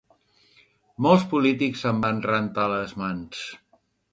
Molts polítics se'n van rentar les mans.